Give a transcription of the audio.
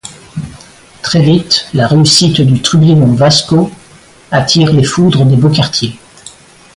Très vite la réussite du trublion Vasco attire les foudres des beaux quartiers.